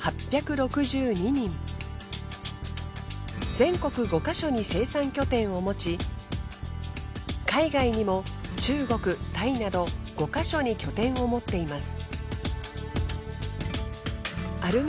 全国５ヵ所に生産拠点を持ち海外にも中国タイなど５ヵ所に拠点を持っています。